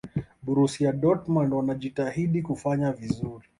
borusia dortmund wanajitahidi kufanya vizuri